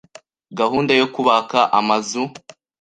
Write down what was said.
Gahunda yo kubaka Amazu